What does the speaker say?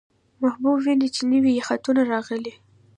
محبوب وينو، چې نوي يې خطونه راغلي.